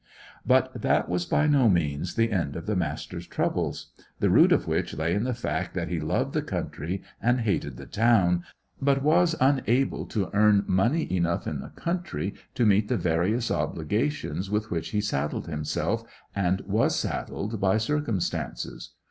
But that was by no means the end of the Master's troubles, the root of which lay in the fact that he loved the country, and hated the town, but was unable to earn money enough in the country to meet the various obligations with which he saddled himself, and was saddled by circumstances.